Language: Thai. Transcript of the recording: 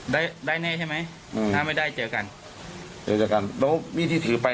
ได้ได้แน่ใช่ไหมอืมถ้าไม่ได้เจอกันเจอกันแล้วมีดที่ถือไป